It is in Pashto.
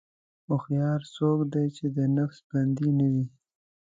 هوښیار څوک دی چې د نفس بندي نه وي.